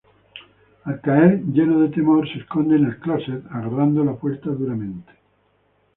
Al caer, lleno de temor, se esconde en el closet, agarrando la puerta duramente.